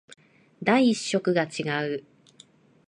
第一色が違う